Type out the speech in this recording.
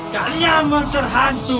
kalian monster hantu